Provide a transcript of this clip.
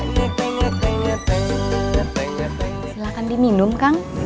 silahkan diminum kang